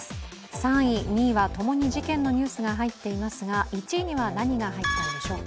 ３位、２位はともに事件のニュースが入っていますが１位には何が入ったんでしょうか。